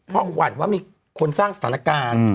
เพราะหวั่นว่ามีคนสร้างสถานการณ์